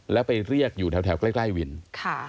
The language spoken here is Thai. แล้วไปเรียกอยู่แถวใกล้ใกล้วินค่ะ